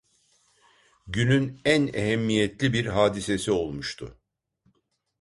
Günün en ehemmiyetli bir hadisesi olmuştu.